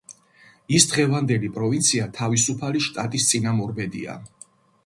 ის დღევანდელი პროვინცია თავისუფალი შტატის წინამორბედია.